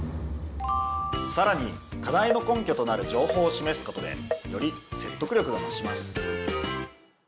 さらに課題の根拠となる情報を示すことでより説得力が増します。